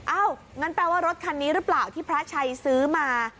งั้นแปลว่ารถคันนี้หรือเปล่าที่พระชัยซื้อมา